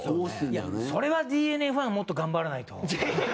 それはＤｅＮＡファンもっと頑張らないと。